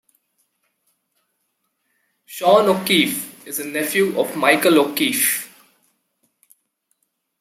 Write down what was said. Sean O'Keefe is a nephew of Michael O'Keefe.